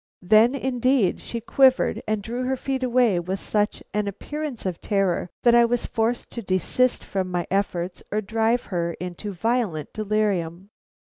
Then indeed she quivered, and drew her feet away with such an appearance of terror that I was forced to desist from my efforts or drive her into violent delirium.